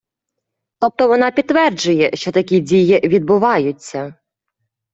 Тобто вона підтверджує, що такі дії відбуваються.